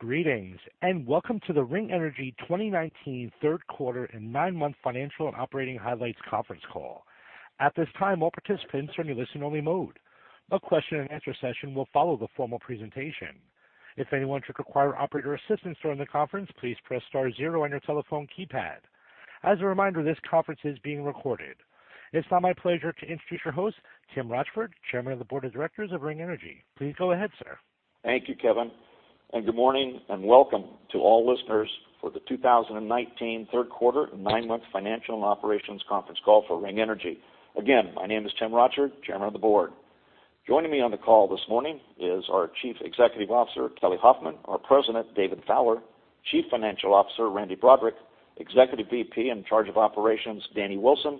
Greetings, welcome to the Ring Energy 2019 third quarter and nine-month financial and operating highlights conference call. At this time, all participants are in a listen-only mode. A question and answer session will follow the formal presentation. If anyone should require operator assistance during the conference, please press star zero on your telephone keypad. As a reminder, this conference is being recorded. It's now my pleasure to introduce your host, Tim Rochford, Chairman of the Board of Directors of Ring Energy. Please go ahead, sir. Thank you, Kevin. Good morning, and welcome to all listeners for the 2019 third quarter and nine-month financial and operations conference call for Ring Energy. Again, my name is Tim Rochford, Chairman of the Board. Joining me on the call this morning is our Chief Executive Officer, Kelly Hoffman, our President, David Fowler, Chief Financial Officer, Randy Broaddrick, Executive VP in charge of operations, Danny Wilson,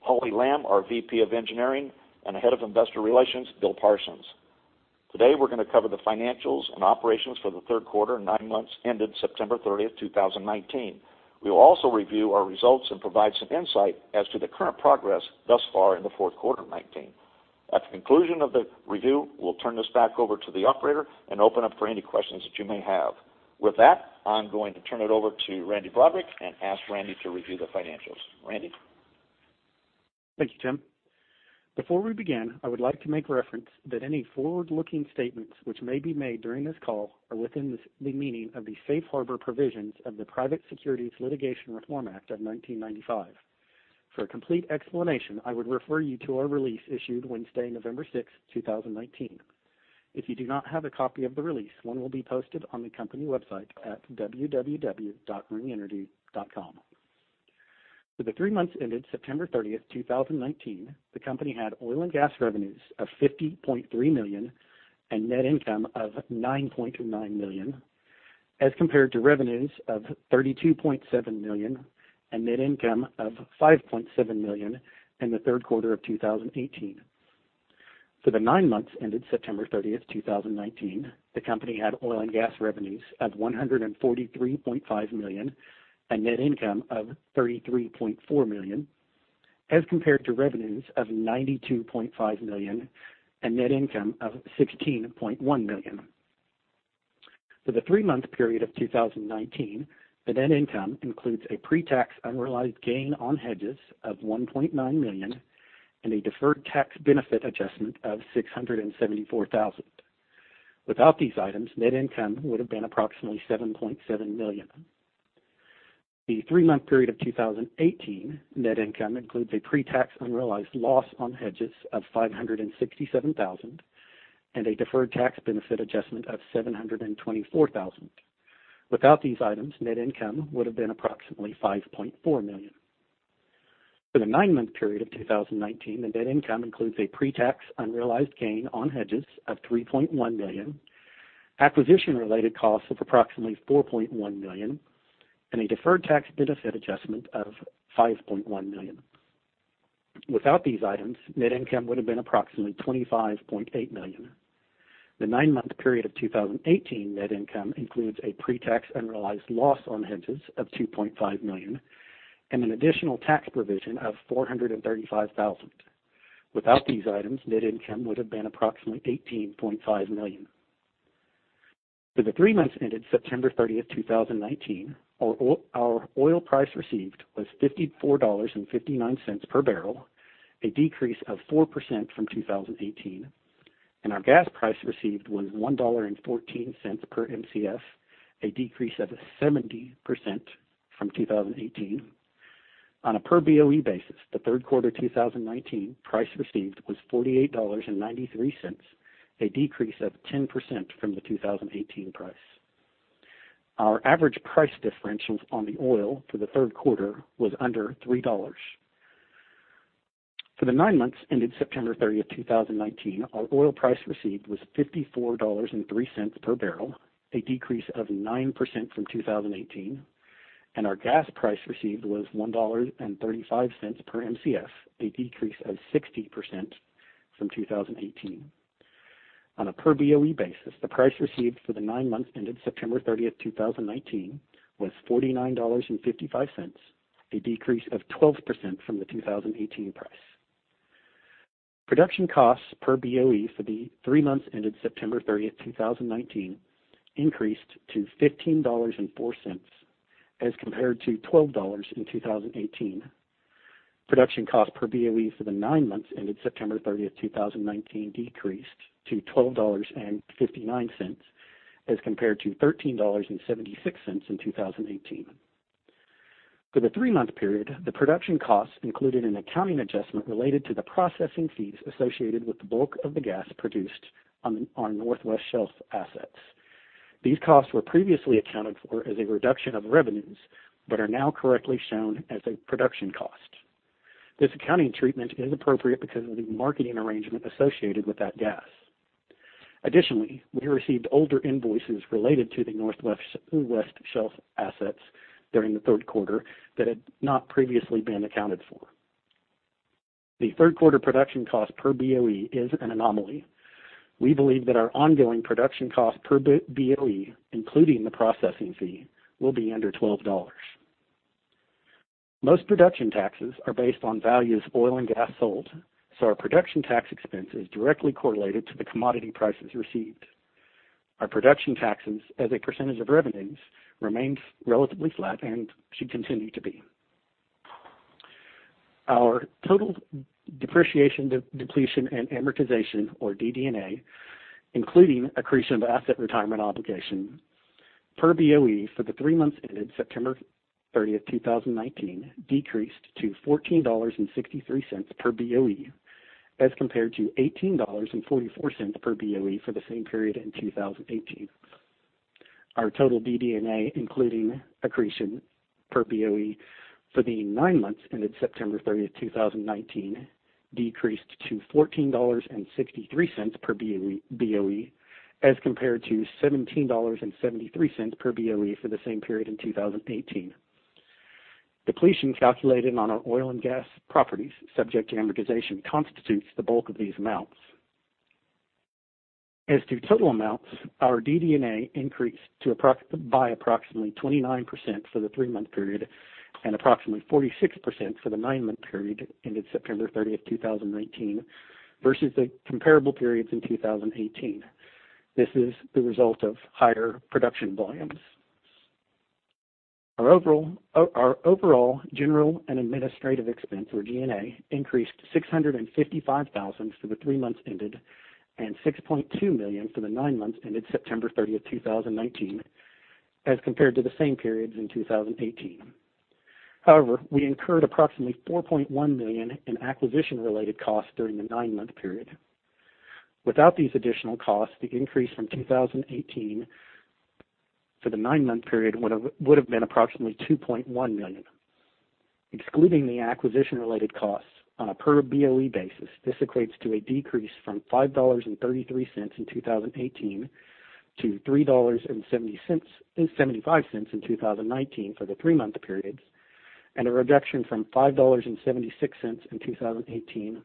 Hollie Lamb, our VP of Engineering, and Head of Investor Relations, Bill Parsons. Today, we're going to cover the financials and operations for the third quarter and nine months ended September 30th, 2019. We will also review our results and provide some insight as to the current progress thus far in the fourth quarter of 2019. At the conclusion of the review, we'll turn this back over to the operator and open up for any questions that you may have. I'm going to turn it over to Randy Broaddrick and ask Randy to review the financials. Randy. Thank you, Tim. Before we begin, I would like to make reference that any forward-looking statements which may be made during this call are within the meaning of the safe harbor provisions of the Private Securities Litigation Reform Act of 1995. For a complete explanation, I would refer you to our release issued Wednesday, November 6th, 2019. If you do not have a copy of the release, one will be posted on the company website at www.ringenergy.com. For the three months ended September 30th, 2019, the company had oil and gas revenues of $50.3 million and net income of $9.9 million, as compared to revenues of $32.7 million and net income of $5.7 million in the third quarter of 2018. For the nine months ended September 30th, 2019, the company had oil and gas revenues of $143.5 million and net income of $33.4 million as compared to revenues of $92.5 million and net income of $16.1 million. For the three-month period of 2019, the net income includes a pre-tax unrealized gain on hedges of $1.9 million and a deferred tax benefit adjustment of $674,000. Without these items, net income would have been approximately $7.7 million. The three-month period of 2018 net income includes a pre-tax unrealized loss on hedges of $567,000 and a deferred tax benefit adjustment of $724,000. Without these items, net income would have been approximately $5.4 million. For the nine-month period of 2019, the net income includes a pre-tax unrealized gain on hedges of $3.1 million, acquisition-related costs of approximately $4.1 million, and a deferred tax benefit adjustment of $5.1 million. Without these items, net income would have been approximately $25.8 million. The nine-month period of 2018 net income includes a pre-tax unrealized loss on hedges of $2.5 million and an additional tax provision of $435,000. Without these items, net income would have been approximately $18.5 million. For the three months ended September 30th, 2019, our oil price received was $54.59 per barrel, a decrease of 4% from 2018, and our gas price received was $1.14 per Mcf, a decrease of 70% from 2018. On a per BOE basis, the third quarter 2019 price received was $48.93, a decrease of 10% from the 2018 price. Our average price differentials on the oil for the third quarter was under $3. For the nine months ended September 30th, 2019, our oil price received was $54.03 per barrel, a decrease of 9% from 2018, and our gas price received was $1.35 per Mcf, a decrease of 60% from 2018. On a per Boe basis, the price received for the nine months ended September 30th, 2019 was $49.55, a decrease of 12% from the 2018 price. Production costs per Boe for the three months ended September 30th, 2019 increased to $15.04 as compared to $12 in 2018. Production cost per Boe for the nine months ended September 30th, 2019 decreased to $12.59 as compared to $13.76 in 2018. For the three-month period, the production costs included an accounting adjustment related to the processing fees associated with the bulk of the gas produced on Northwest Shelf assets. These costs were previously accounted for as a reduction of revenues but are now correctly shown as a production cost. This accounting treatment is appropriate because of the marketing arrangement associated with that gas. Additionally, we received older invoices related to the Northwest Shelf assets during the third quarter that had not previously been accounted for. The third quarter production cost per BOE is an anomaly. We believe that our ongoing production cost per BOE, including the processing fee, will be under $12. Most production taxes are based on values oil and gas sold. Our production tax expense is directly correlated to the commodity prices received. Our production taxes as a % of revenues remains relatively flat and should continue to be. Our total depreciation, depletion, and amortization or DD&A, including accretion of asset retirement obligation per BOE for the three months ended September 30th, 2019, decreased to $14.63 per BOE as compared to $18.44 per BOE for the same period in 2018. Our total DD&A, including accretion per BOE for the nine months ended September 30th, 2019, decreased to $14.63 per BOE as compared to $17.73 per BOE for the same period in 2018. Depletion calculated on our oil and gas properties subject to amortization constitutes the bulk of these amounts. As to total amounts, our DD&A increased by approximately 29% for the three-month period and approximately 46% for the nine-month period ended September 30th, 2019, versus the comparable periods in 2018. This is the result of higher production volumes. Our overall general and administrative expense, or G&A, increased $655,000 for the three months ended and $6.2 million for the nine months ended September 30, 2019, as compared to the same periods in 2018. However, we incurred approximately $4.1 million in acquisition-related costs during the nine-month period. Without these additional costs, the increase from 2018 for the nine-month period would have been approximately $2.1 million. Excluding the acquisition-related costs on a per BOE basis, this equates to a decrease from $5.33 in 2018 to $3.75 in 2019 for the three-month periods, and a reduction from $5.76 in 2018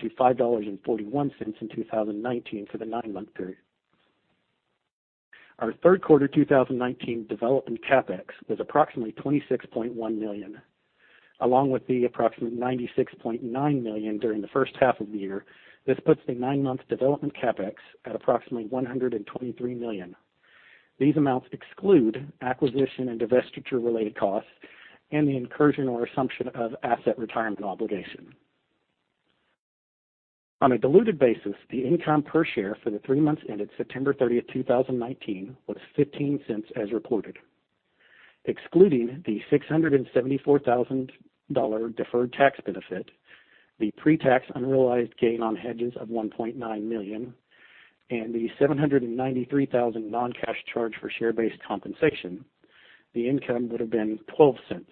to $5.41 in 2019 for the nine-month period. Our third quarter 2019 development CapEx was approximately $26.1 million, along with the approximate $96.9 million during the first half of the year. This puts the nine-month development CapEx at approximately $123 million. These amounts exclude acquisition and divestiture-related costs and the incursion or assumption of asset retirement obligation. On a diluted basis, the income per share for the three months ended September 30th, 2019, was $0.15 as reported. Excluding the $674,000 deferred tax benefit, the pre-tax unrealized gain on hedges of $1.9 million, and the $793,000 non-cash charge for share-based compensation, the income would have been $0.12.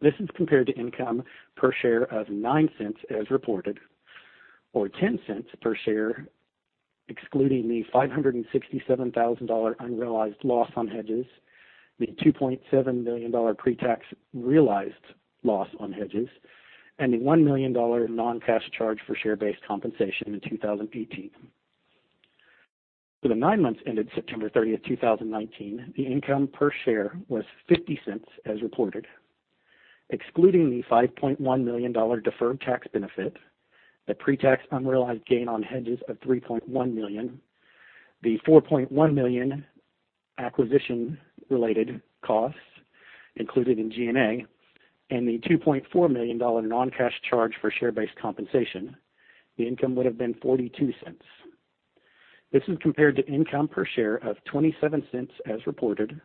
This is compared to income per share of $0.09 as reported, or $0.10 per share, excluding the $567,000 unrealized loss on hedges, the $2.7 million pre-tax realized loss on hedges, and the $1 million non-cash charge for share-based compensation in 2018. For the nine months ended September 30th, 2019, the income per share was $0.50 as reported. Excluding the $5.1 million deferred tax benefit, the pretax unrealized gain on hedges of $3.1 million, the $4.1 million acquisition-related costs included in G&A, and the $2.4 million non-cash charge for share-based compensation, the income would have been $0.42. This is compared to income per share of $0.27 as reported,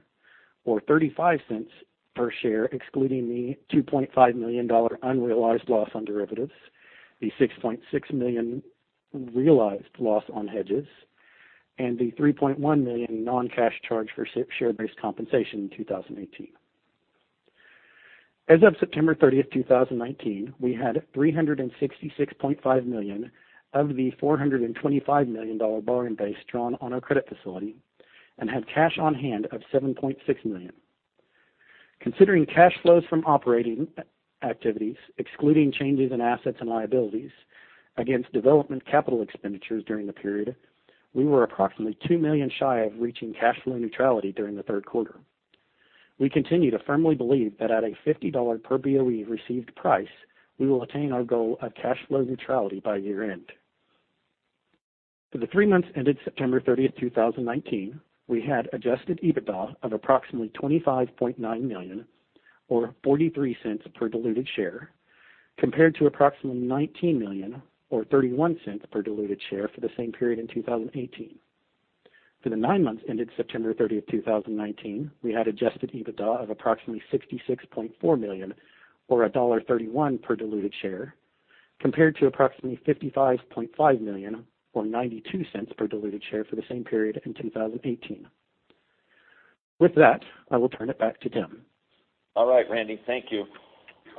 or $0.35 per share, excluding the $2.5 million unrealized loss on derivatives, the $6.6 million realized loss on hedges, and the $3.1 million non-cash charge for share-based compensation in 2018. As of September 30th, 2019, we had $366.5 million of the $425 million borrowing base drawn on our credit facility and had cash on hand of $7.6 million. Considering cash flows from operating activities, excluding changes in assets and liabilities against development capital expenditures during the period, we were approximately $2 million shy of reaching cash flow neutrality during the third quarter. We continue to firmly believe that at a $50 per BOE received price, we will attain our goal of cash flow neutrality by year-end. For the three months ended September 30th, 2019, we had adjusted EBITDA of approximately $25.9 million or $0.43 per diluted share, compared to approximately $19 million or $0.31 per diluted share for the same period in 2018. For the nine months ended September 30th, 2019, we had adjusted EBITDA of approximately $66.4 million or $1.31 per diluted share, compared to approximately $55.5 million or $0.92 per diluted share for the same period in 2018. With that, I will turn it back to Tim. All right, Randy. Thank you.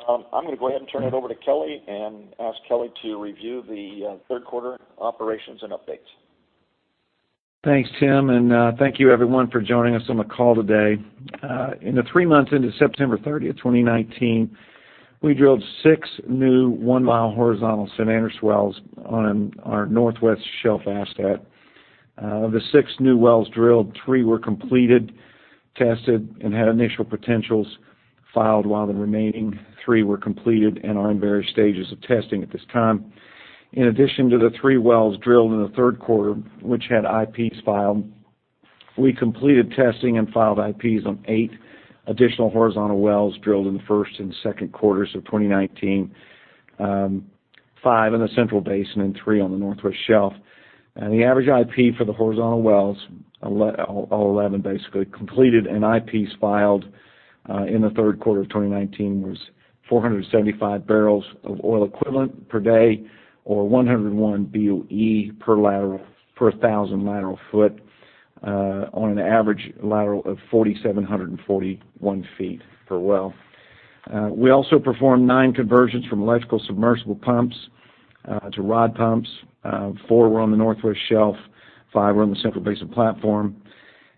I'm going to go ahead and turn it over to Kelly and ask Kelly to review the third quarter operations and updates. Thanks, Tim, and thank you everyone for joining us on the call today. In the three months into September 30, 2019, we drilled six new one-mile horizontal San Andres wells on our Northwest Shelf asset. Of the six new wells drilled, three were completed, tested, and had initial potentials filed, while the remaining three were completed and are in various stages of testing at this time. In addition to the three wells drilled in the third quarter, which had IPs filed, we completed testing and filed IPs on eight additional horizontal wells drilled in the first and second quarters of 2019, five in the Central Basin and three on the Northwest Shelf. The average IP for the horizontal wells, all 11 basically, completed and IPs filed in the third quarter of 2019 was 475 barrels of oil equivalent per day, or 101 BOE per 1,000 lateral foot on an average lateral of 4,741 feet per well. We also performed nine conversions from electrical submersible pumps to rod pumps. Four were on the Northwest Shelf, five were on the Central Basin Platform.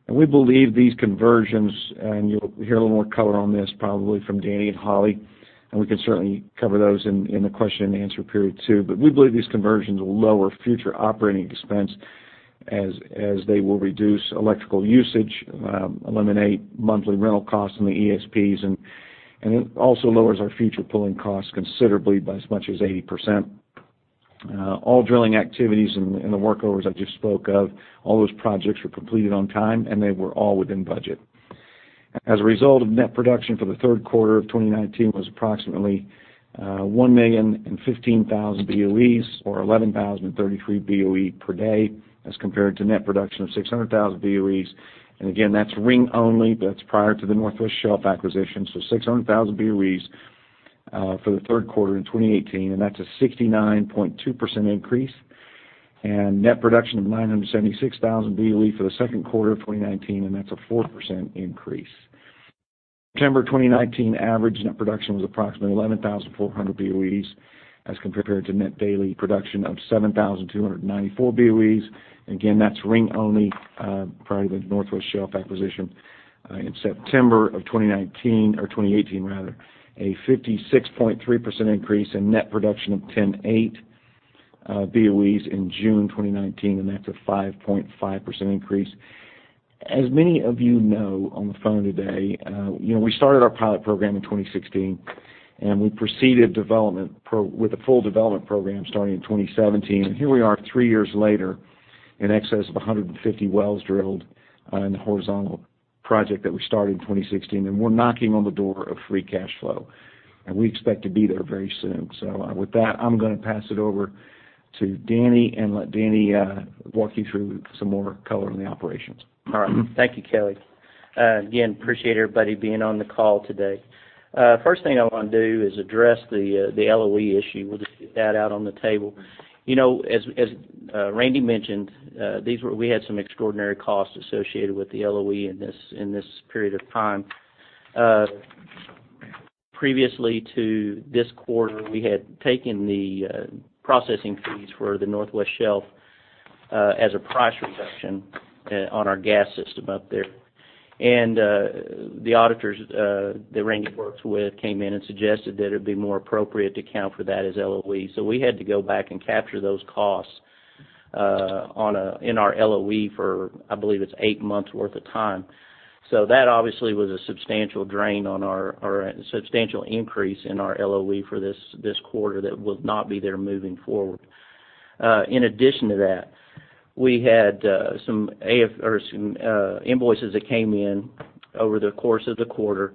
We believe these conversions, and you'll hear a little more color on this probably from Danny and Hollie, and we can certainly cover those in the question and answer period too, but we believe these conversions will lower future operating expense as they will reduce electrical usage, eliminate monthly rental costs on the ESPs, and it also lowers our future pulling costs considerably by as much as 80%. All drilling activities and the workovers I just spoke of, all those projects were completed on time, and they were all within budget. As a result of net production for the third quarter of 2019 was approximately 1,015,000 BOEs, or 11,033 BOE per day as compared to net production of 600,000 BOEs. Again, that's Ring only. That's prior to the Northwest Shelf acquisition. 600,000 BOEs for the third quarter in 2018, and that's a 69.2% increase. Net production of 976,000 BOE for the second quarter of 2019, and that's a 4% increase. September 2019 average net production was approximately 11,400 BOEs as compared to net daily production of 7,294 BOEs. Again, that's Ring only, prior to the Northwest Shelf acquisition in September of 2019, or 2018 rather. A 56.3% increase in net production of 10.8 BOEs in June 2019, and that's a 5.5% increase. As many of you know on the phone today, we started our pilot program in 2016, we proceeded with a full development program starting in 2017. Here we are three years later in excess of 150 wells drilled in the horizontal project that we started in 2016, we're knocking on the door of free cash flow, we expect to be there very soon. With that, I'm going to pass it over to Danny and let Danny walk you through some more color on the operations. All right. Thank you, Kelly. Again, appreciate everybody being on the call today. First thing I want to do is address the LOE issue. We'll just get that out on the table. As Randy mentioned, we had some extraordinary costs associated with the LOE in this period of time. Previously to this quarter, we had taken the processing fees for the Northwest Shelf as a price reduction on our gas system up there. The auditors that Randy works with came in and suggested that it'd be more appropriate to account for that as LOE. We had to go back and capture those costs in our LOE for, I believe, it's eight months worth of time. That obviously was a substantial increase in our LOE for this quarter that will not be there moving forward. In addition to that, we had some invoices that came in over the course of the quarter,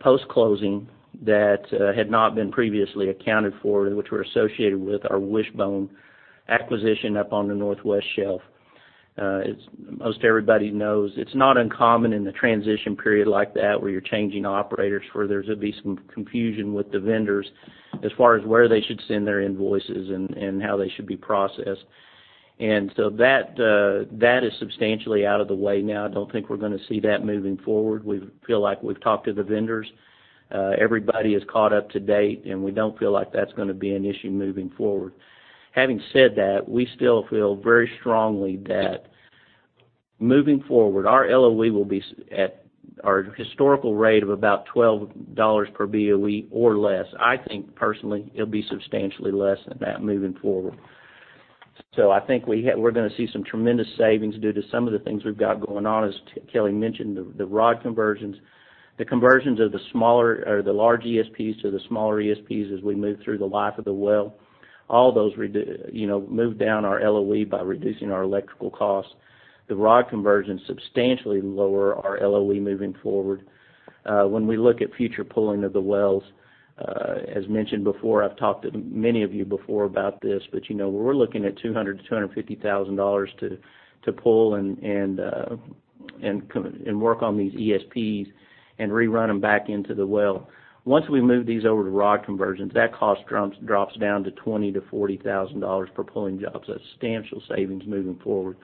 post-closing, that had not been previously accounted for, which were associated with our Wishbone acquisition up on the Northwest Shelf. As most everybody knows, it's not uncommon in a transition period like that where you're changing operators where there's going to be some confusion with the vendors as far as where they should send their invoices and how they should be processed. That is substantially out of the way now. I don't think we're going to see that moving forward. We feel like we've talked to the vendors. Everybody is caught up to date, and we don't feel like that's going to be an issue moving forward. Having said that, we still feel very strongly that moving forward, our LOE will be at our historical rate of about $12 per BOE or less. I think personally, it'll be substantially less than that moving forward. I think we're going to see some tremendous savings due to some of the things we've got going on, as Kelly mentioned, the rod conversions, the conversions of the large ESPs to the smaller ESPs as we move through the life of the well. All those move down our LOE by reducing our electrical costs. The rod conversions substantially lower our LOE moving forward. When we look at future pulling of the wells, as mentioned before, I've talked to many of you before about this, we're looking at $200,000 to $250,000 to pull and work on these ESPs and rerun them back into the well. Once we move these over to rod conversions, that cost drops down to $20,000-$40,000 per pulling job, so substantial savings moving forward.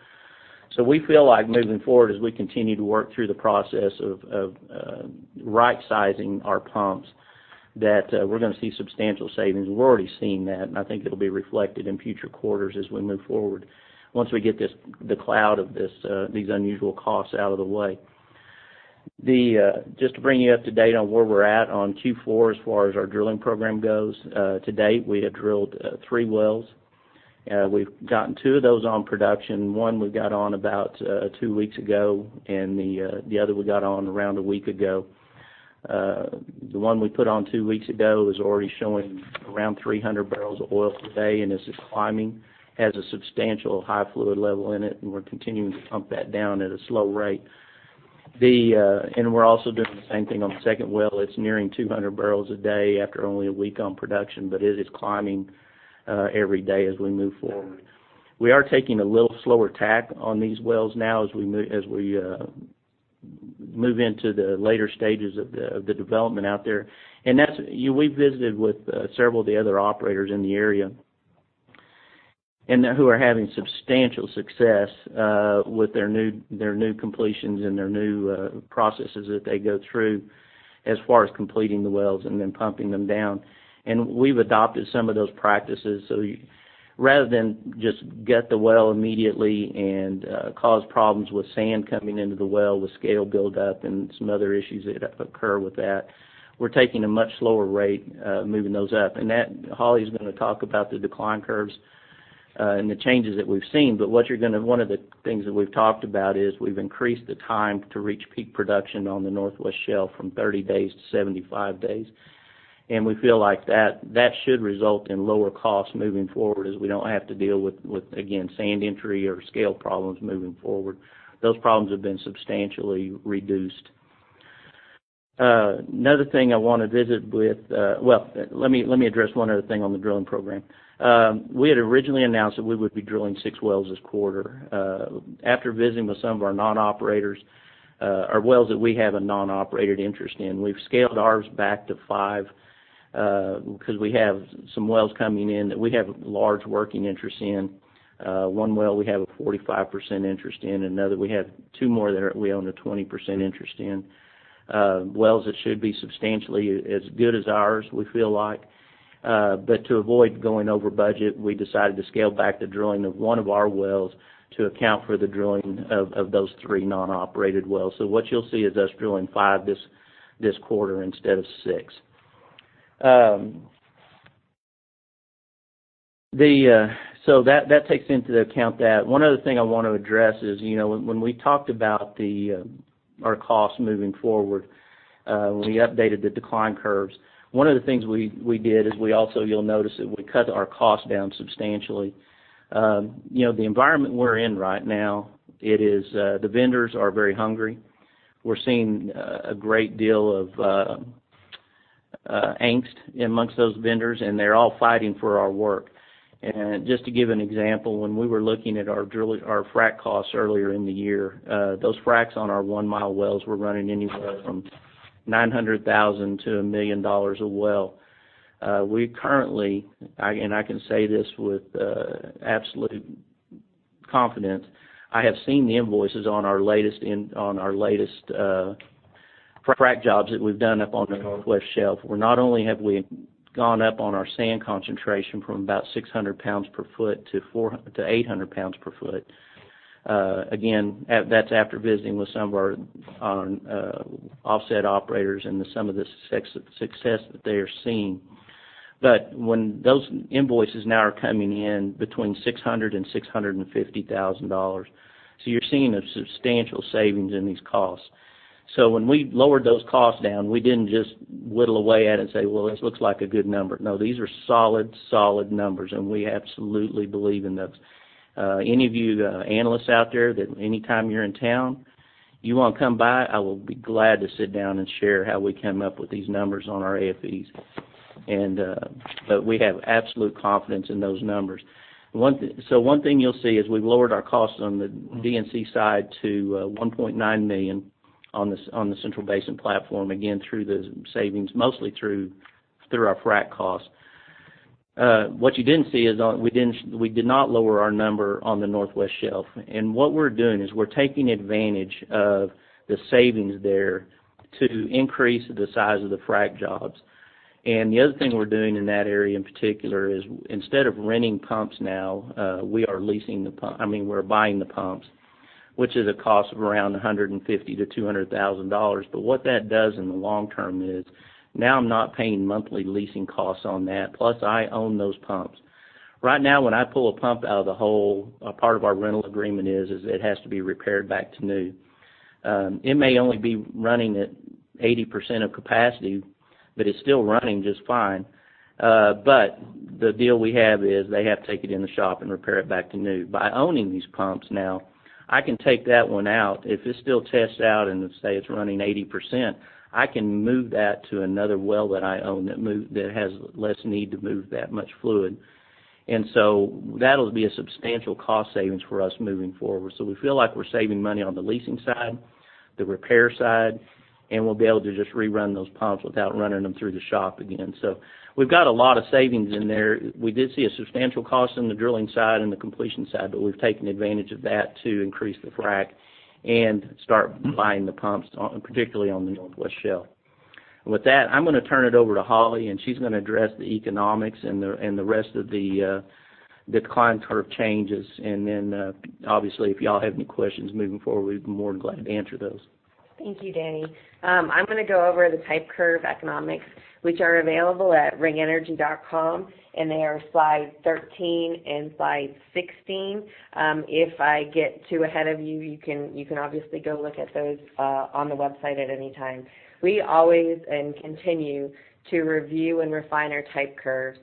We feel like moving forward as we continue to work through the process of right-sizing our pumps, that we're going to see substantial savings. We're already seeing that, and I think it'll be reflected in future quarters as we move forward once we get the cloud of these unusual costs out of the way. Just to bring you up to date on where we're at on Q4 as far as our drilling program goes. To date, we have drilled three wells. We've gotten two of those on production. One we got on about two weeks ago, and the other we got on around a week ago. The one we put on two weeks ago is already showing around 300 barrels of oil per day and is climbing. It has a substantial high fluid level in it, and we're continuing to pump that down at a slow rate. We're also doing the same thing on the second well. It's nearing 200 barrels a day after only a week on production, but it is climbing every day as we move forward. We are taking a little slower tack on these wells now as we move into the later stages of the development out there. We visited with several of the other operators in the area who are having substantial success with their new completions and their new processes that they go through as far as completing the wells and then pumping them down. We've adopted some of those practices. Rather than just gut the well immediately and cause problems with sand coming into the well, with scale buildup and some other issues that occur with that, we're taking a much slower rate moving those up. Hollie's going to talk about the decline curves and the changes that we've seen. One of the things that we've talked about is we've increased the time to reach peak production on the Northwest Shelf from 30 days to 75 days, and we feel like that should result in lower costs moving forward as we don't have to deal with, again, sand entry or scale problems moving forward. Those problems have been substantially reduced. Another thing I want to visit with. Well, let me address one other thing on the drilling program. We had originally announced that we would be drilling six wells this quarter. After visiting with some of our non-operators, our wells that we have a non-operated interest in, we've scaled ours back to five, because we have some wells coming in that we have large working interest in. One well, we have a 45% interest in. Another, we have two more that we own a 20% interest in. Wells that should be substantially as good as ours, we feel like. To avoid going over budget, we decided to scale back the drilling of one of our wells to account for the drilling of those three non-operated wells. What you'll see is us drilling five this quarter instead of six. That takes into account that. One other thing I want to address is when we talked about our costs moving forward, when we updated the decline curves, one of the things we did is we also, you'll notice that we cut our cost down substantially. The environment we're in right now, the vendors are very hungry. They're seeing a great deal of angst amongst those vendors, and they're all fighting for our work. Just to give an example, when we were looking at our frack costs earlier in the year, those fracks on our one-mile wells were running anywhere from $900,000-$1 million a well. We currently, and I can say this with absolute confidence, I have seen the invoices on our latest frack jobs that we've done up on the Northwest Shelf, where not only have we gone up on our sand concentration from about 600 pounds per foot to 800 pounds per foot. Again, that's after visiting with some of our offset operators and some of the success that they are seeing. When those invoices now are coming in between $600,000 and $650,000, so you're seeing a substantial savings in these costs. When we lowered those costs down, we didn't just whittle away at it and say, "Well, this looks like a good number." No, these are solid numbers, and we absolutely believe in those. Any of you analysts out there that any time you're in town, you want to come by, I will be glad to sit down and share how we came up with these numbers on our AFEs. We have absolute confidence in those numbers. One thing you'll see is we've lowered our costs on the D&C side to $1.9 million on the Central Basin Platform, again, through the savings, mostly through our frack costs. What you didn't see is we did not lower our number on the Northwest Shelf. What we're doing is we're taking advantage of the savings there to increase the size of the frack jobs. The other thing we're doing in that area in particular is instead of renting pumps now, we're buying the pumps, which is a cost of around $150,000 to $200,000. What that does in the long term is now I'm not paying monthly leasing costs on that, plus I own those pumps. Right now, when I pull a pump out of the hole, a part of our rental agreement is it has to be repaired back to new. It may only be running at 80% of capacity, but it's still running just fine. The deal we have is they have to take it in the shop and repair it back to new. By owning these pumps now, I can take that one out. If it still tests out and let's say it's running 80%, I can move that to another well that I own that has less need to move that much fluid. That'll be a substantial cost savings for us moving forward. We feel like we're saving money on the leasing side, the repair side, and we'll be able to just rerun those pumps without running them through the shop again. We've got a lot of savings in there. We did see a substantial cost on the drilling side and the completion side, but we've taken advantage of that to increase the frack and start buying the pumps, particularly on the Northwest Shelf. With that, I'm going to turn it over to Hollie, and she's going to address the economics and the rest of the decline curve changes. Then obviously, if y'all have any questions moving forward, we'd be more than glad to answer those. Thank you, Danny. I'm going to go over the type curve economics, which are available at ringenergy.com, and they are slide 13 and slide 16. If I get too ahead of you can obviously go look at those on the website at any time. We always and continue to review and refine our type curves.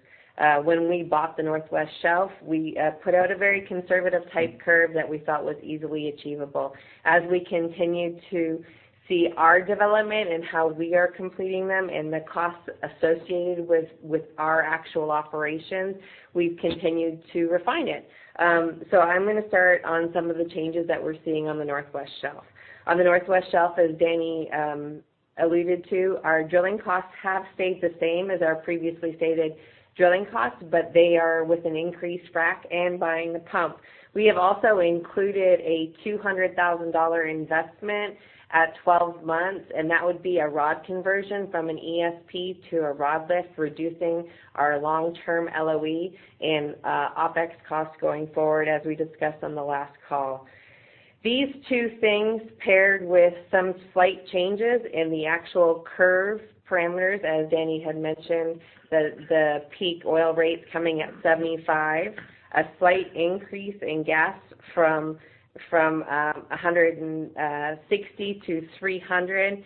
When we bought the Northwest Shelf, we put out a very conservative type curve that we thought was easily achievable. As we continue to see our development and how we are completing them and the costs associated with our actual operations, we've continued to refine it. I'm going to start on some of the changes that we're seeing on the Northwest Shelf. On the Northwest Shelf, as Danny alluded to, our drilling costs have stayed the same as our previously stated drilling costs, but they are with an increased frack and buying the pump. We have also included a $200,000 investment at 12 months, and that would be a rod conversion from an ESP to a rod lift, reducing our long-term LOE and OPEX costs going forward, as we discussed on the last call. These two things paired with some slight changes in the actual curve parameters. As Danny had mentioned, the peak oil rates coming at 75, a slight increase in gas from 160 to 300,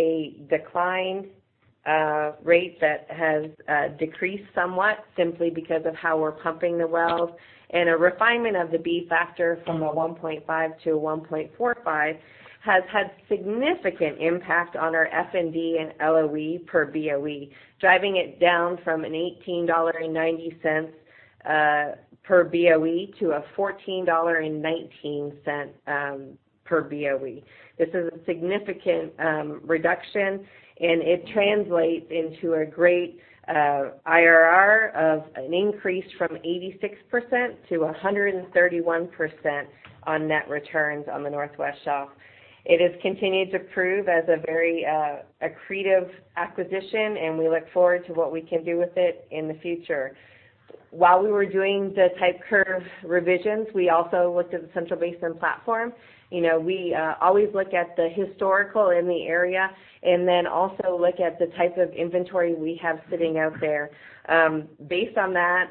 a decline rate that has decreased somewhat simply because of how we're pumping the wells, and a refinement of the b-factor from a 1.5 to a 1.45 has had significant impact on our F&D and LOE per BOE, driving it down from an $18.90 per BOE to a $14.19 per BOE. This is a significant reduction, and it translates into a great IRR of an increase from 86% to 131% on net returns on the Northwest Shelf. It has continued to prove as a very accretive acquisition, and we look forward to what we can do with it in the future. While we were doing the type curve revisions, we also looked at the Central Basin Platform. We always look at the historical in the area and then also look at the type of inventory we have sitting out there. Based on that,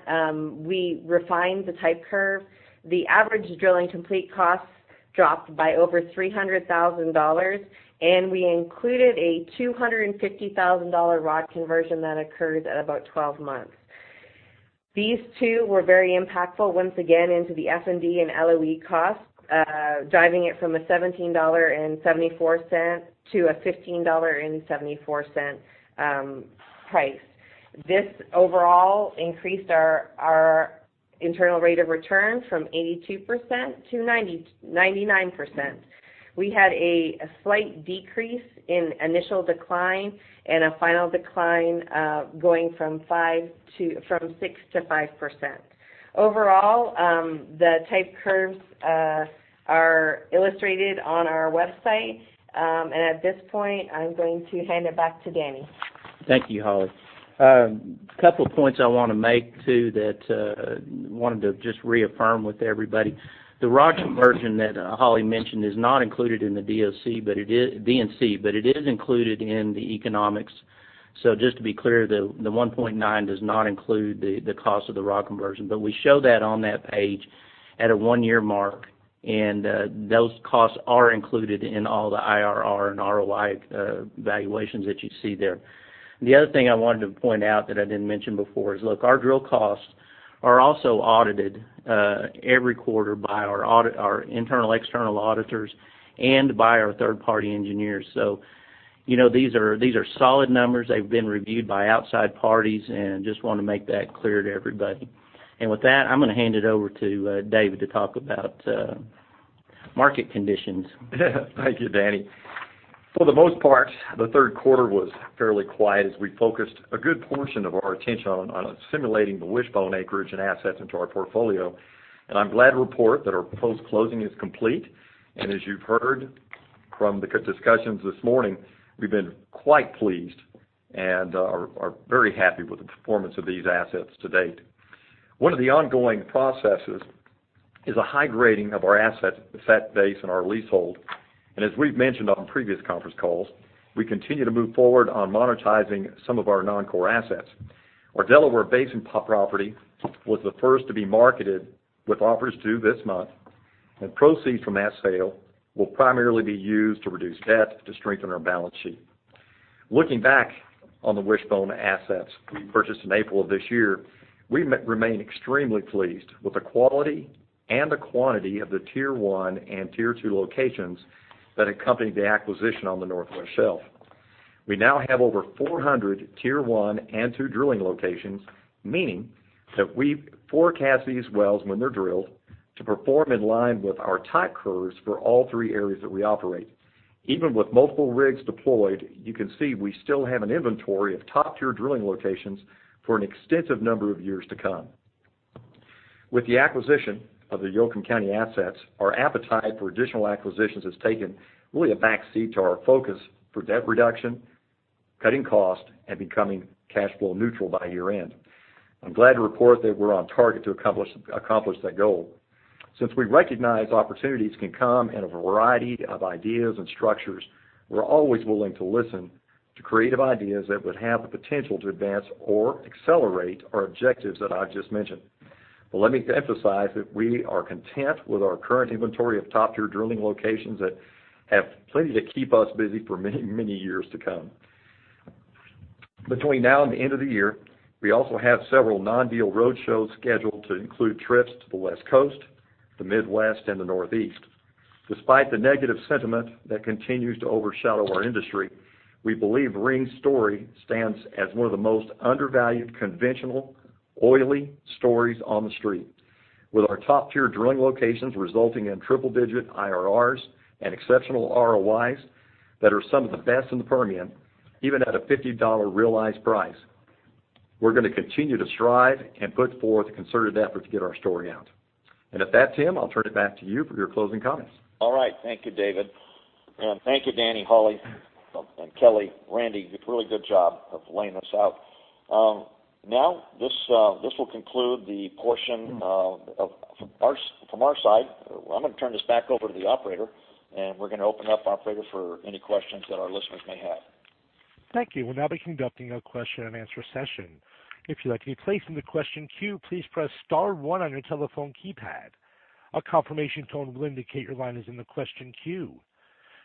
we refined the type curve. The average drilling complete costs dropped by over $300,000, and we included a $250,000 rod conversion that occurs at about 12 months. These two were very impactful, once again, into the F&D and LOE costs, driving it from a $17.74 to a $15.74 price. This overall increased our internal rate of return from 82% to 99%. We had a slight decrease in initial decline and a final decline, going from 6% to 5%. Overall, the type curves are illustrated on our website. At this point, I'm going to hand it back to Danny. Thank you, Hollie. A couple points I want to make, too, that I wanted to just reaffirm with everybody. The rod conversion that Hollie mentioned is not included in the D&C, but it is included in the economics. Just to be clear, the 1.9 does not include the cost of the rod conversion. We show that on that page at a 1-year mark, and those costs are included in all the IRR and ROI valuations that you see there. The other thing I wanted to point out that I didn't mention before is, look, our drill costs are also audited every quarter by our internal external auditors and by our third-party engineers. These are solid numbers. They've been reviewed by outside parties, and just want to make that clear to everybody. With that, I'm going to hand it over to David to talk about market conditions. Thank you, Danny. For the most part, the third quarter was fairly quiet as we focused a good portion of our attention on assimilating the Wishbone acreage and assets into our portfolio. I'm glad to report that our post-closing is complete. As you've heard from the discussions this morning, we've been quite pleased and are very happy with the performance of these assets to date. One of the ongoing processes is a high grading of our asset base and our leasehold. As we've mentioned on previous conference calls, we continue to move forward on monetizing some of our non-core assets. Our Delaware Basin property was the first to be marketed, with offers due this month, and proceeds from that sale will primarily be used to reduce debt to strengthen our balance sheet. Looking back on the Wishbone assets we purchased in April of this year, we remain extremely pleased with the quality and the quantity of the tier 1 and tier 2 locations that accompanied the acquisition on the Northwest Shelf. We now have over 400 tier 1 and 2 drilling locations, meaning that we forecast these wells when they're drilled to perform in line with our type curves for all three areas that we operate. Even with multiple rigs deployed, you can see we still have an inventory of top-tier drilling locations for an extensive number of years to come. With the acquisition of the Yoakum County assets, our appetite for additional acquisitions has taken really a backseat to our focus for debt reduction, cutting cost, and becoming cash flow neutral by year-end. I'm glad to report that we're on target to accomplish that goal. Since we recognize opportunities can come in a variety of ideas and structures, we're always willing to listen to creative ideas that would have the potential to advance or accelerate our objectives that I've just mentioned. Let me emphasize that we are content with our current inventory of top-tier drilling locations that have plenty to keep us busy for many years to come. Between now and the end of the year, we also have several non-deal roadshows scheduled to include trips to the West Coast, the Midwest, and the Northeast. Despite the negative sentiment that continues to overshadow our industry, we believe Ring's story stands as one of the most undervalued conventional oily stories on the street, with our top-tier drilling locations resulting in triple-digit IRRs and exceptional ROIs that are some of the best in the Permian, even at a $50 realized price. We're going to continue to strive and put forth a concerted effort to get our story out. With that, Tim, I'll turn it back to you for your closing comments. All right. Thank you, David. Thank you, Danny, Hollie, and Kelly. Randy, a really good job of laying this out. This will conclude the portion from our side. I'm going to turn this back over to the operator, and we're going to open up, operator, for any questions that our listeners may have. Thank you. We'll now be conducting a question and answer session. If you'd like to be placed in the question queue, please press star one on your telephone keypad. A confirmation tone will indicate your line is in the question queue.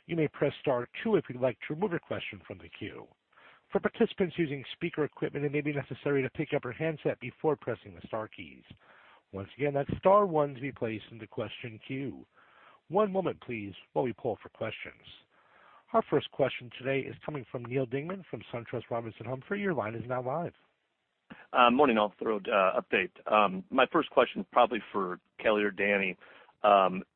You may press star two if you'd like to remove a question from the queue. For participants using speaker equipment, it may be necessary to pick up your handset before pressing the star keys. Once again, that's star one to be placed into question queue. One moment, please, while we pull for questions. Our first question today is coming from Neal Dingmann from SunTrust Robinson Humphrey. Your line is now live. Morning. I'll throw an update. My first question is probably for Kelly or Danny.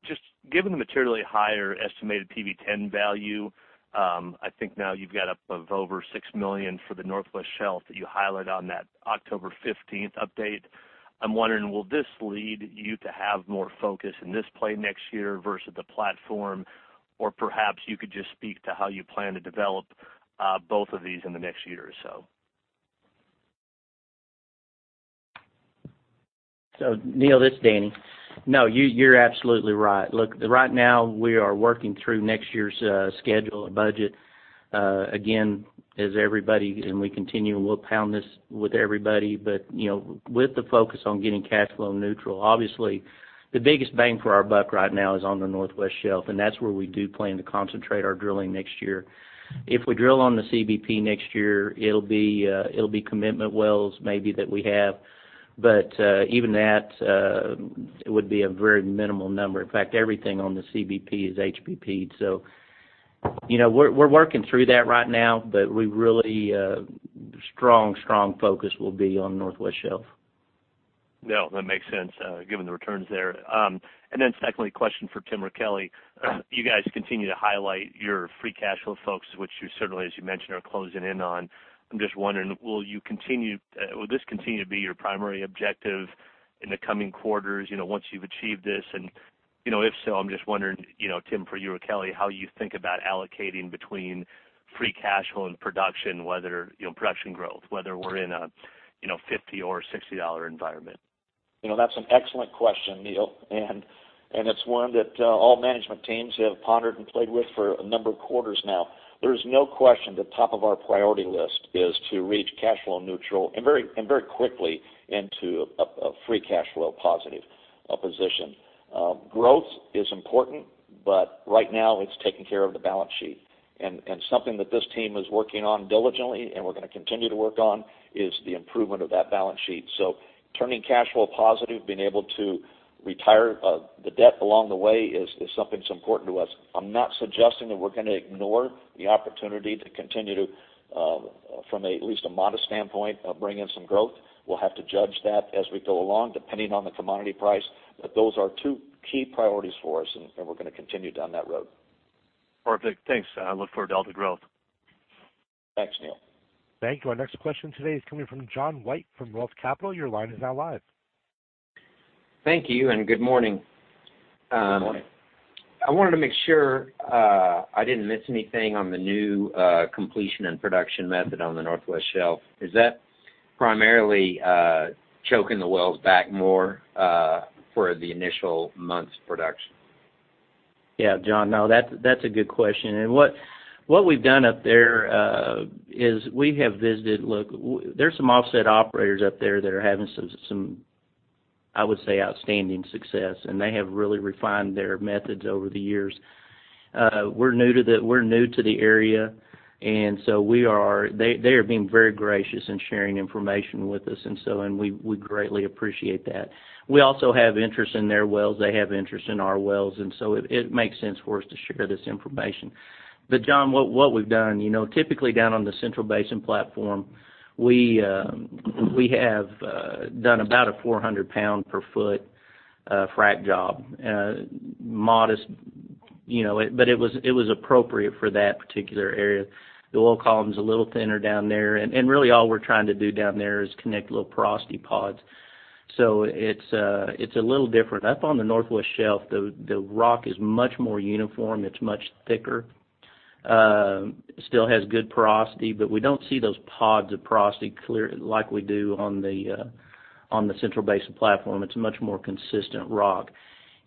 Just given the materially higher estimated PV10 value, I think now you've got up of over $6 million for the Northwest Shelf that you highlighted on that October 15th update. I'm wondering, will this lead you to have more focus in this play next year versus the platform? Or perhaps you could just speak to how you plan to develop both of these in the next year or so. Neal, this is Danny. No, you're absolutely right. Look, right now we are working through next year's schedule and budget. Again, as everybody, and we continue, and we'll pound this with everybody, but with the focus on getting cash flow neutral, obviously the biggest bang for our buck right now is on the Northwest Shelf, and that's where we do plan to concentrate our drilling next year. If we drill on the CBP next year, it'll be commitment wells maybe that we have. Even that would be a very minimal number. In fact, everything on the CBP is HBP. We're working through that right now, but really strong focus will be on Northwest Shelf. No, that makes sense given the returns there. Secondly, question for Tim or Kelly. You guys continue to highlight your free cash flow focus, which you certainly, as you mentioned, are closing in on. I'm just wondering, will this continue to be your primary objective in the coming quarters, once you've achieved this? If so, I'm just wondering, Tim, for you or Kelly, how you think about allocating between free cash flow and production growth, whether we're in a $50 or $60 environment? That's an excellent question, Neal, and it's one that all management teams have pondered and played with for a number of quarters now. There is no question the top of our priority list is to reach cash flow neutral, and very quickly into a free cash flow positive position. Growth is important, but right now it's taking care of the balance sheet. Something that this team is working on diligently, and we're going to continue to work on, is the improvement of that balance sheet. Turning cash flow positive, being able to retire the debt along the way is something that's important to us. I'm not suggesting that we're going to ignore the opportunity to continue to, from at least a modest standpoint, bring in some growth. We'll have to judge that as we go along, depending on the commodity price. Those are two key priorities for us, and we're going to continue down that road. Perfect. Thanks. I look forward to all the growth. Thanks, Neal. Thank you. Our next question today is coming from John White from ROTH Capital Partners. Your line is now live. Thank you, and good morning. Good morning. I wanted to make sure I didn't miss anything on the new completion and production method on the Northwest Shelf. Is that primarily choking the wells back more for the initial months' production? Yeah, John. No, that's a good question. What we've done up there is we have. Look, there's some offset operators up there that are having some, I would say, outstanding success, and they have really refined their methods over the years. We're new to the area, and so they are being very gracious in sharing information with us, and we greatly appreciate that. We also have interest in their wells, they have interest in our wells, and so it makes sense for us to share this information. John, what we've done, typically down on the Central Basin Platform, we have done about a 400 pound per foot frack job. It was appropriate for that particular area. The oil column's a little thinner down there, and really all we're trying to do down there is connect little porosity pods. It's a little different. Up on the Northwest Shelf, the rock is much more uniform. It's much thicker. Still has good porosity, but we don't see those pods of porosity clear like we do on the Central Basin Platform. It's a much more consistent rock.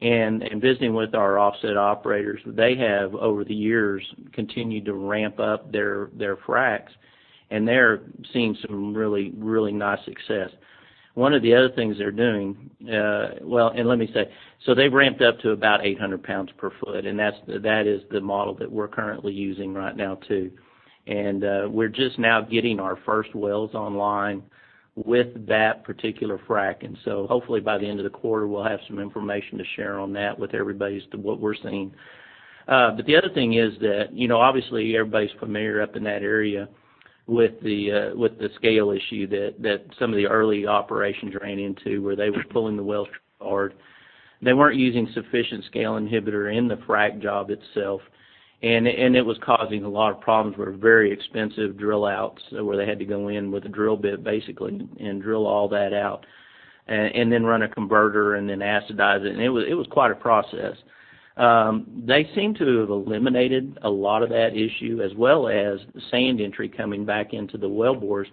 In visiting with our offset operators, they have, over the years, continued to ramp up their fracs, and they're seeing some really nice success. One of the other things they're doing, well, let me say, they've ramped up to about 800 pounds per foot, and that is the model that we're currently using right now too. We're just now getting our first wells online with that particular frac. Hopefully by the end of the quarter, we'll have some information to share on that with everybody as to what we're seeing. The other thing is that, obviously, everybody's familiar up in that area with the scale issue that some of the early operations ran into, where they were pulling the well hard. They weren't using sufficient scale inhibitor in the frac job itself, and it was causing a lot of problems with very expensive drill outs, where they had to go in with a drill bit, basically, and drill all that out. Then run a converter, and then acidize it. It was quite a process. They seem to have eliminated a lot of that issue, as well as sand entry coming back into the well bores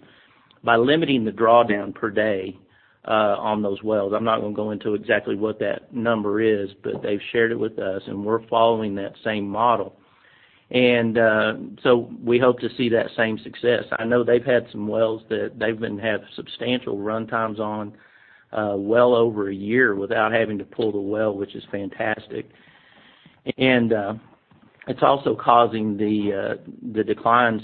by limiting the drawdown per day on those wells. I'm not going to go into exactly what that number is, but they've shared it with us, and we're following that same model. We hope to see that same success. I know they've had some wells that they've been having substantial run times on well over a year without having to pull the well, which is fantastic. It's also causing the declines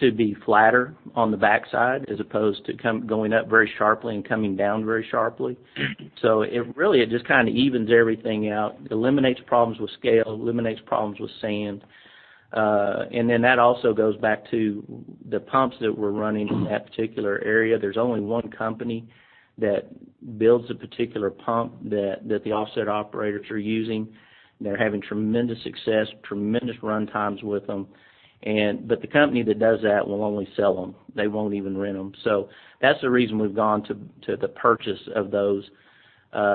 to be flatter on the backside as opposed to going up very sharply and coming down very sharply. It really, it just evens everything out. Eliminates problems with scale, eliminates problems with sand. That also goes back to the pumps that we're running in that particular area. There's only one company that builds a particular pump that the offset operators are using. They're having tremendous success, tremendous run times with them. The company that does that will only sell them. They won't even rent them. That's the reason we've gone to the purchase of those,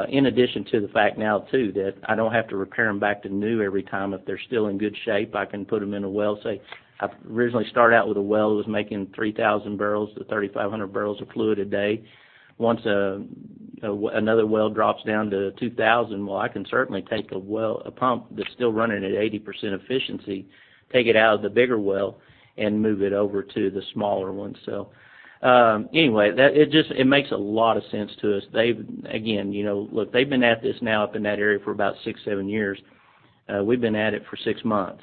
in addition to the fact now, too, that I don't have to repair them back to new every time. If they're still in good shape, I can put them in a well. Say, I originally started out with a well that was making 3,000 barrels to 3,500 barrels of fluid a day. Once another well drops down to 2,000, well, I can certainly take a pump that's still running at 80% efficiency, take it out of the bigger well, and move it over to the smaller one. Anyway, it makes a lot of sense to us. Again, look, they've been at this now up in that area for about six, seven years. We've been at it for six months.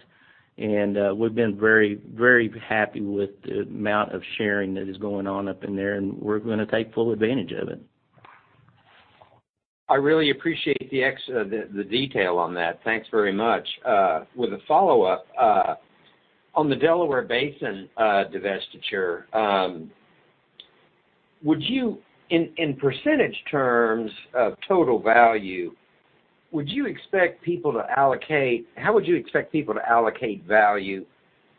We've been very happy with the amount of sharing that is going on up in there, and we're going to take full advantage of it. I really appreciate the detail on that. Thanks very much. With a follow-up, on the Delaware Basin divestiture, in percentage terms of total value, how would you expect people to allocate value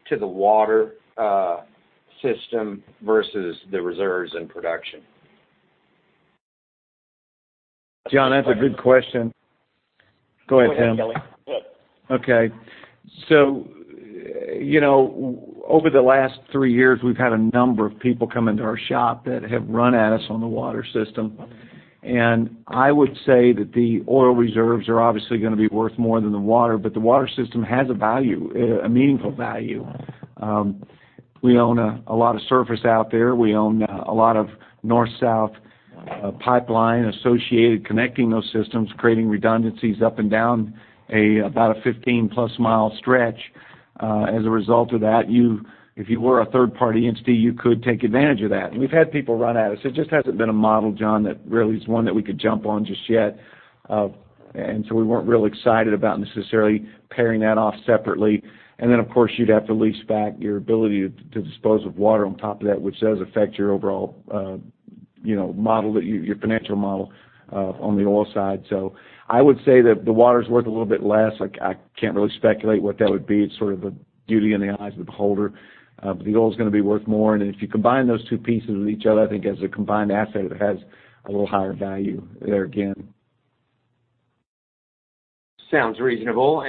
to the water system versus the reserves and production? John, that's a good question. Go ahead, Tim. Go ahead, Kelly. Okay. Over the last three years, we've had a number of people come into our shop that have run at us on the water system. I would say that the oil reserves are obviously going to be worth more than the water, but the water system has a value, a meaningful value. We own a lot of surface out there. We own a lot of north-south pipeline associated, connecting those systems, creating redundancies up and down about a 15-plus mile stretch. As a result of that, if you were a third-party entity, you could take advantage of that. We've had people run at us. It just hasn't been a model, John, that really is one that we could jump on just yet. We weren't real excited about necessarily pairing that off separately. Of course, you'd have to lease back your ability to dispose of water on top of that, which does affect your overall financial model on the oil side. I would say that the water's worth a little bit less. I can't really speculate what that would be. It's sort of the beauty in the eyes of the beholder. The oil's going to be worth more, and if you combine those two pieces with each other, I think as a combined asset, it has a little higher value there again. Sounds reasonable.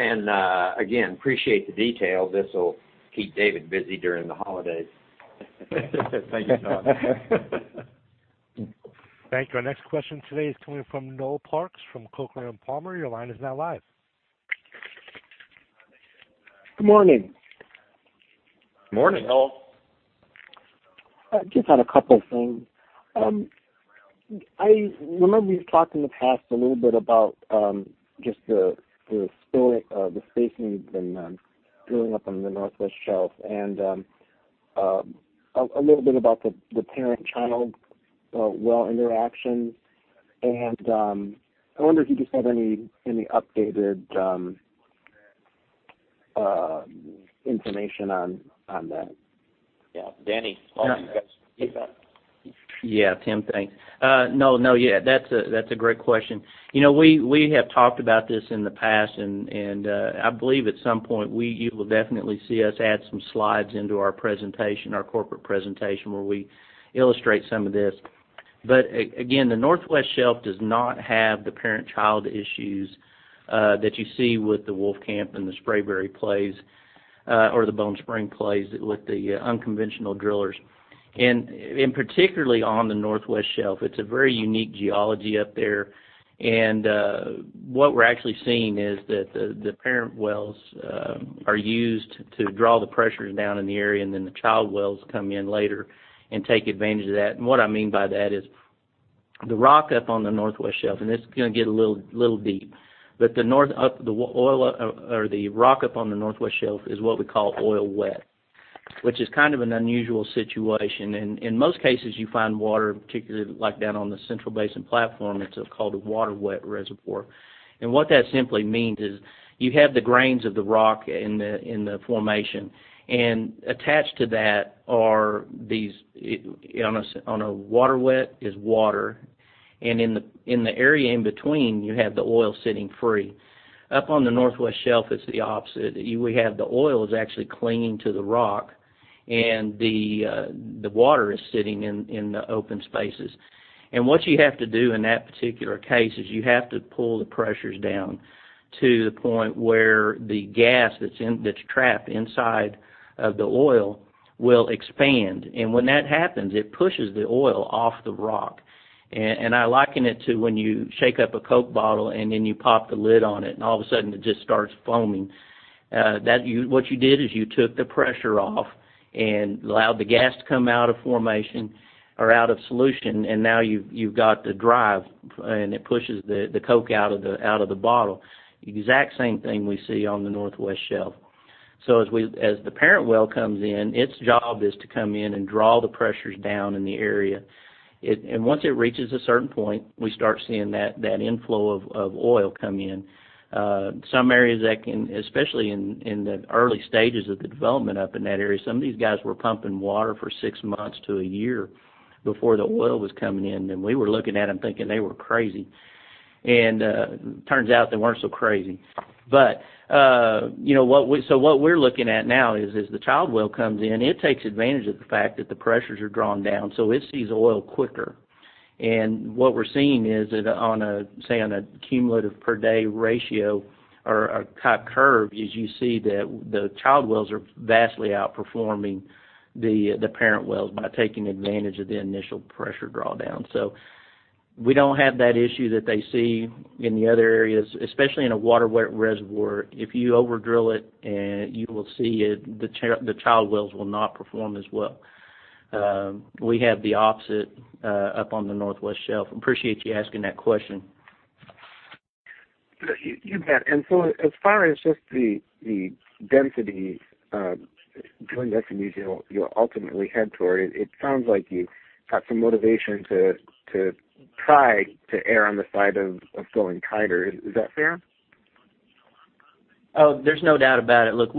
Again, appreciate the detail. This'll keep David busy during the holidays. Thank you, John. Thank you. Our next question today is coming from Noel Parks from Coker & Palmer. Your line is now live. Good morning. Morning, Noel. Just had a couple things. I remember you've talked in the past a little bit about just the spacing you've been drilling up on the Northwest Shelf and a little bit about the parent-child well interactions. I wonder if you just have any updated information on that. Yeah. Danny, why don't you guys take that? Yeah, Tim, thanks. That's a great question. We have talked about this in the past, and I believe at some point you will definitely see us add some slides into our presentation, our corporate presentation, where we illustrate some of this. Again, the Northwest Shelf does not have the parent-child issues that you see with the Wolfcamp and the Spraberry plays, or the Bone Spring plays with the unconventional drillers. Particularly on the Northwest Shelf, it's a very unique geology up there. What we're actually seeing is that the parent wells are used to draw the pressures down in the area, and then the child wells come in later and take advantage of that. What I mean by that is, the rock up on the Northwest Shelf, and this is going to get a little deep, but the rock up on the Northwest Shelf is what we call oil wet, which is an unusual situation. In most cases, you find water, particularly like down on the Central Basin Platform, it's called a water wet reservoir. What that simply means is you have the grains of the rock in the formation, and attached to that are these, on a water wet is water, and in the area in between, you have the oil sitting free. Up on the Northwest Shelf, it's the opposite. We have the oil is actually clinging to the rock, and the water is sitting in the open spaces. What you have to do in that particular case is you have to pull the pressures down to the point where the gas that's trapped inside of the oil will expand. When that happens, it pushes the oil off the rock. I liken it to when you shake up a Coke bottle and then you pop the lid on it, all of a sudden it just starts foaming. What you did is you took the pressure off and allowed the gas to come out of formation or out of solution, now you've got the drive, and it pushes the Coke out of the bottle. Exact same thing we see on the Northwest Shelf. As the parent well comes in, its job is to come in and draw the pressures down in the area. Once it reaches a certain point, we start seeing that inflow of oil come in. Some areas that can, especially in the early stages of the development up in that area, some of these guys were pumping water for six months to a year before the oil was coming in, and we were looking at them thinking they were crazy. Turns out they weren't so crazy. What we're looking at now is, as the child well comes in, it takes advantage of the fact that the pressures are drawn down, so it sees oil quicker. What we're seeing is that on a, say, on a cumulative per-day ratio or a type curve is you see that the child wells are vastly outperforming the parent wells by taking advantage of the initial pressure drawdown. We don't have that issue that they see in the other areas, especially in a water wet reservoir. If you over-drill it, you will see the child wells will not perform as well. We have the opposite up on the Northwest Shelf. Appreciate you asking that question. You bet. As far as just the density drilling that you'll ultimately head toward, it sounds like you've got some motivation to try to err on the side of drilling tighter. Is that fair? Oh, there's no doubt about it. Look,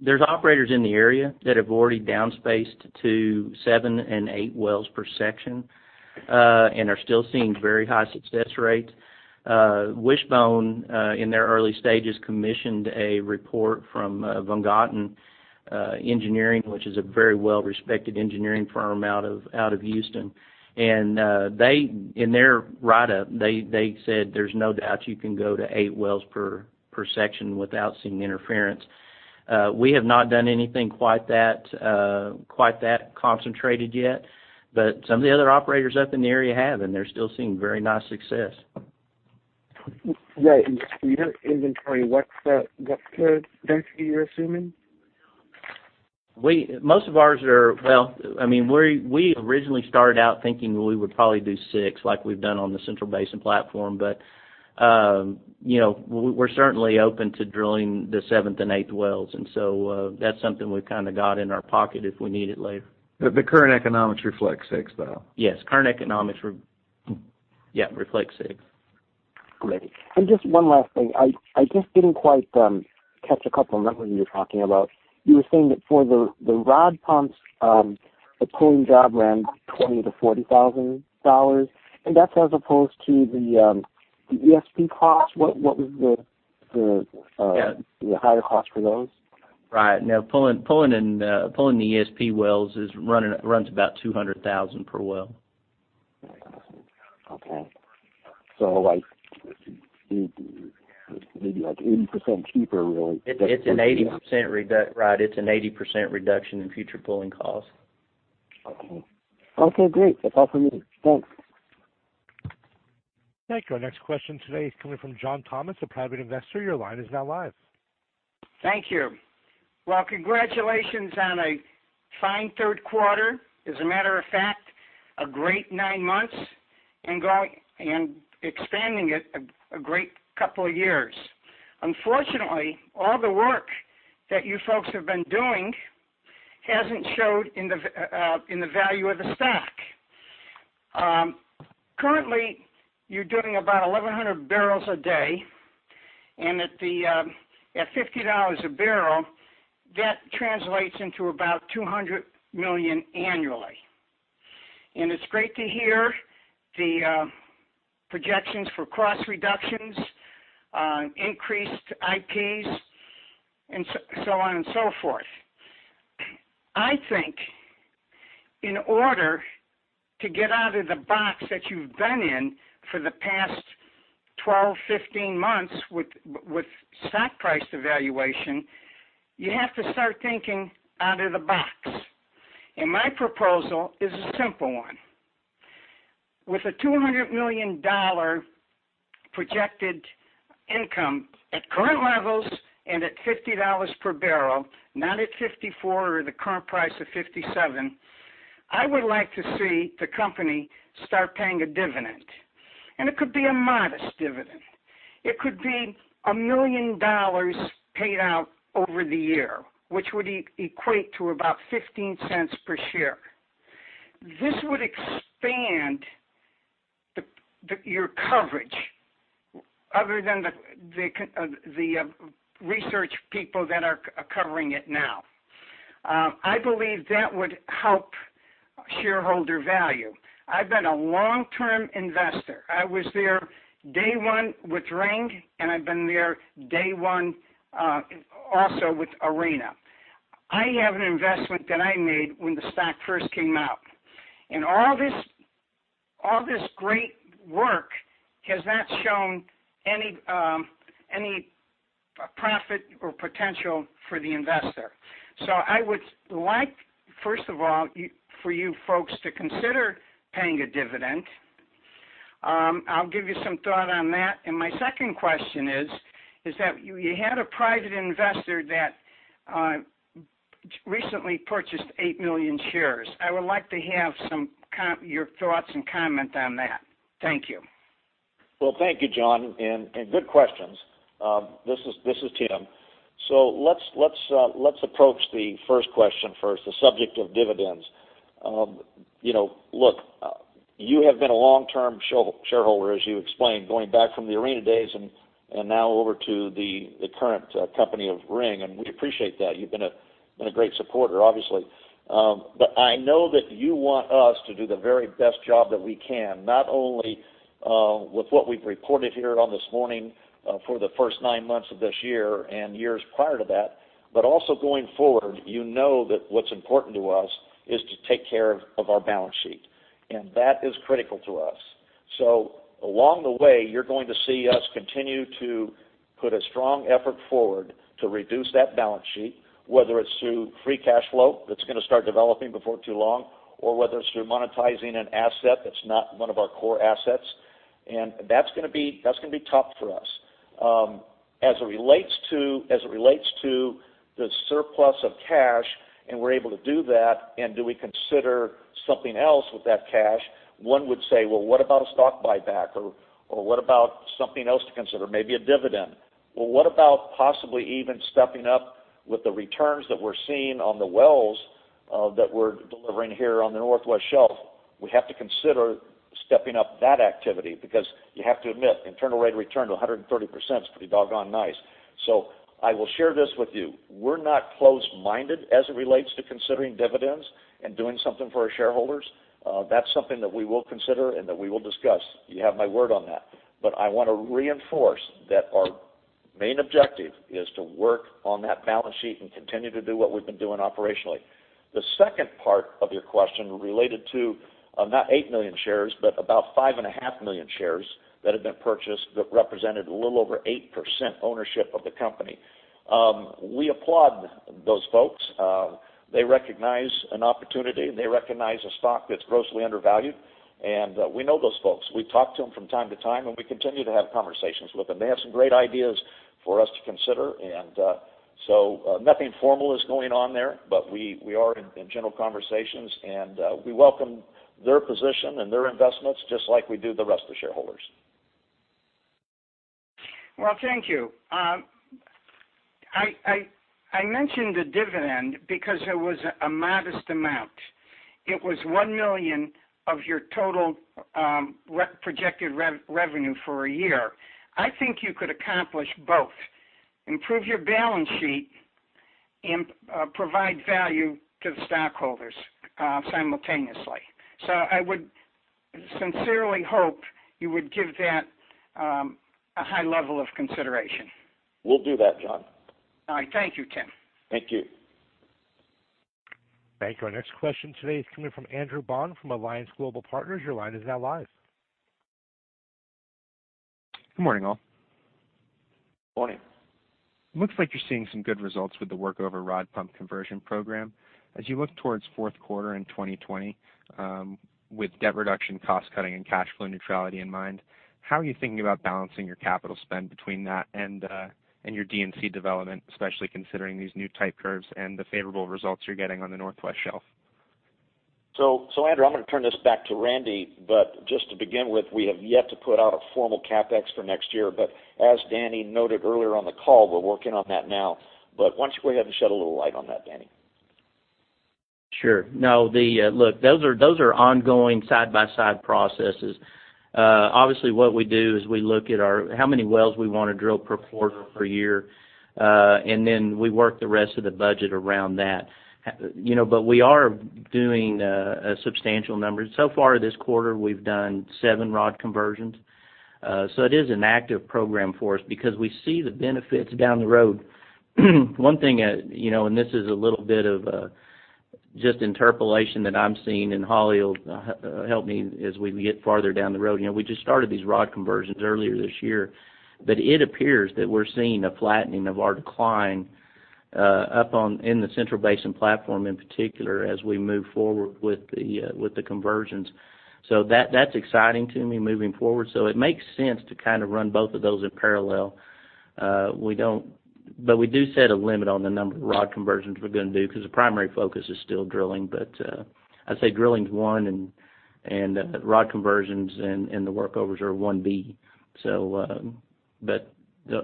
there's operators in the area that have already downspaced to seven and eight wells per section, and are still seeing very high success rates. Wishbone, in their early stages, commissioned a report from W.D. Von Gonten Engineering, which is a very well-respected engineering firm out of Houston. In their write-up, they said there's no doubt you can go to eight wells per section without seeing interference. We have not done anything quite that concentrated yet, but some of the other operators up in the area have, and they're still seeing very nice success. Right. In your inventory, what's the density you're assuming? Most of ours well, we originally started out thinking we would probably do six, like we've done on the Central Basin Platform, but we're certainly open to drilling the seventh and eighth wells. That's something we've got in our pocket if we need it later. The current economics reflect six, though. Yes. Current economics, yeah, reflect six. Great. Just one last thing. I just didn't quite catch a couple of numbers when you were talking about. You were saying that for the rod pumps, a pulling job ran $20,000-$40,000, and that's as opposed to the ESP cost. Yeah the higher cost for those? Right. No, pulling the ESP wells runs about $200,000 per well. Okay. Maybe like 80% cheaper really. Right. It's an 80% reduction in future pulling costs. Okay. Okay, great. That's all for me. Thanks. Thank you. Our next question today is coming from John Thomas, a private investor. Your line is now live. Thank you. Well, congratulations on a fine third quarter. As a matter of fact, a great nine months, and expanding it, a great couple of years. Unfortunately, all the work that you folks have been doing hasn't showed in the value of the stock. Currently, you're doing about 11,000 barrels a day, at $50 a barrel, that translates into about $200 million annually. It's great to hear the projections for cost reductions, increased IPs, and so on and so forth. I think in order to get out of the box that you've been in for the past 12, 15 months with stock price evaluation, you have to start thinking out of the box. My proposal is a simple one. With a $200 million projected income at current levels and at $50 per barrel, not at $54 or the current price of $57, I would like to see the company start paying a dividend. It could be a modest dividend. It could be $1 million paid out over the year, which would equate to about $0.15 per share. This would expand your coverage other than the research people that are covering it now. I believe that would help shareholder value. I've been a long-term investor. I was there day one with Ring, and I've been there day one also with Arena. I have an investment that I made when the stock first came out. All this great work has not shown any profit or potential for the investor. I would like, first of all, for you folks to consider paying a dividend. I'll give you some thought on that. My second question is that you had a private investor that recently purchased 8 million shares. I would like to have your thoughts and comment on that. Thank you. Well, thank you, John, and good questions. This is Tim. Let's approach the first question first, the subject of dividends. Look, you have been a long-term shareholder, as you explained, going back from the Arena days and now over to the current company of Ring, and we appreciate that. You've been a great supporter, obviously. I know that you want us to do the very best job that we can, not only with what we've reported here on this morning for the first nine months of this year and years prior to that, but also going forward, you know that what's important to us is to take care of our balance sheet, and that is critical to us. Along the way, you're going to see us continue to put a strong effort forward to reduce that balance sheet, whether it's through free cash flow that's going to start developing before too long or whether it's through monetizing an asset that's not one of our core assets. That's going to be tough for us. As it relates to the surplus of cash, and we're able to do that, and do we consider something else with that cash, one would say, "Well, what about a stock buyback?" What about something else to consider? Maybe a dividend. Well, what about possibly even stepping up with the returns that we're seeing on the wells that we're delivering here on the Northwest Shelf? We have to consider stepping up that activity because you have to admit, internal rate of return to 130% is pretty doggone nice. I will share this with you. We're not close-minded as it relates to considering dividends and doing something for our shareholders. That's something that we will consider and that we will discuss. You have my word on that. I want to reinforce that our main objective is to work on that balance sheet and continue to do what we've been doing operationally. The second part of your question related to not 8 million shares, but about 5.5 million shares that have been purchased that represented a little over 8% ownership of the company. We applaud those folks. They recognize an opportunity, and they recognize a stock that's grossly undervalued, and we know those folks. We talk to them from time to time, and we continue to have conversations with them. They have some great ideas for us to consider, and so nothing formal is going on there, but we are in general conversations, and we welcome their position and their investments just like we do the rest of the shareholders. Well, thank you. I mentioned the dividend because it was a modest amount. It was $1 million of your total projected revenue for a year. I think you could accomplish both. Improve your balance sheet and provide value to the stockholders simultaneously. I would sincerely hope you would give that a high level of consideration. We'll do that, John. All right. Thank you, Tim. Thank you. Thank you. Our next question today is coming from Andrew Bond from Alliance Global Partners. Your line is now live. Good morning, all. Morning. Looks like you're seeing some good results with the workover rod pump conversion program. As you look towards fourth quarter in 2020, with debt reduction, cost cutting, and cash flow neutrality in mind, how are you thinking about balancing your capital spend between that and your D&C development, especially considering these new type curves and the favorable results you're getting on the Northwest Shelf? Andrew, I'm going to turn this back to Randy, but just to begin with, we have yet to put out a formal CapEx for next year. As Danny noted earlier on the call, we're working on that now. Why don't you go ahead and shed a little light on that, Danny? Sure. No, look, those are ongoing side-by-side processes. Obviously, what we do is we look at how many wells we want to drill per quarter, per year, and then we work the rest of the budget around that. We are doing a substantial number. Far this quarter, we've done seven rod conversions. It is an active program for us because we see the benefits down the road. One thing, and this is a little bit of just interpolation that I'm seeing, and Hollie will help me as we get farther down the road. We just started these rod conversions earlier this year, but it appears that we're seeing a flattening of our decline up in the Central Basin Platform in particular, as we move forward with the conversions. That's exciting to me moving forward. It makes sense to run both of those in parallel. We do set a limit on the number of rod conversions we're going to do because the primary focus is still drilling. I'd say drilling is one, and rod conversions and the workovers are 1B.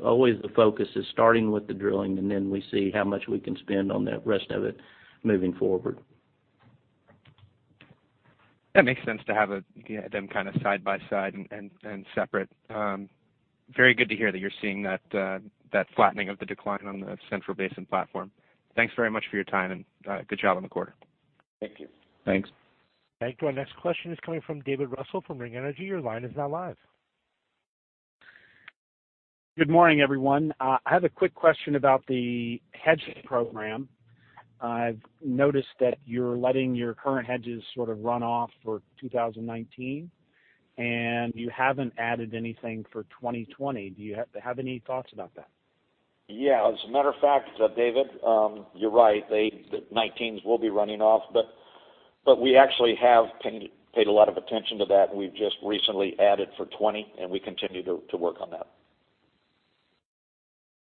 Always the focus is starting with the drilling, and then we see how much we can spend on the rest of it moving forward. That makes sense to have them side by side and separate. Very good to hear that you're seeing that flattening of the decline on the Central Basin Platform. Thanks very much for your time, and good job on the quarter. Thank you. Thanks. Thank you. Our next question is coming from David Russell from Ring Energy. Your line is now live. Good morning, everyone. I have a quick question about the hedge program. I've noticed that you're letting your current hedges sort of run off for 2019. You haven't added anything for 2020. Do you have any thoughts about that? Yeah. As a matter of fact, David, you're right. The 2019s will be running off, but we actually have paid a lot of attention to that, and we've just recently added for 2020, and we continue to work on that.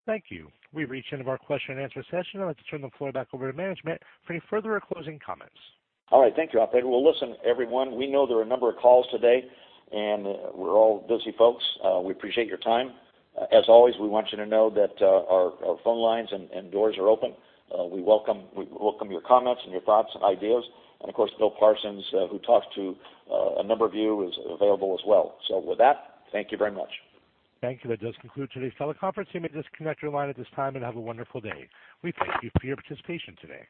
Thank you. We've reached the end of our question and answer session. I'd like to turn the floor back over to management for any further or closing comments. All right. Thank you, operator. Well, listen, everyone, we know there are a number of calls today, and we're all busy folks. We appreciate your time. As always, we want you to know that our phone lines and doors are open. We welcome your comments and your thoughts and ideas. Of course, Bill Parsons, who talked to a number of you, is available as well. With that, thank you very much. Thank you. That does conclude today's teleconference. You may disconnect your line at this time, and have a wonderful day. We thank you for your participation today.